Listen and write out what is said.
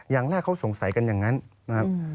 อย่างแรกเขาสงสัยกันอย่างนั้นนะครับ